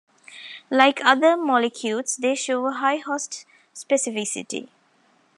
Like other mollicutes, they show a high host specificity.